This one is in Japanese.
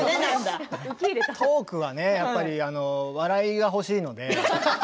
トークはやっぱり笑いが欲しいので。